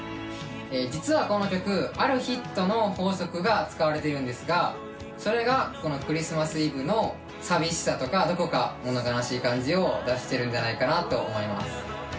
実は、この曲あるヒットの法則が使われているんですが、それがこの『クリスマス・イブ』の寂しさとかどこか物悲しい感じを出してるんじゃないかなと思います。